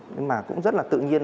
nhưng mà cũng rất là tự nhiên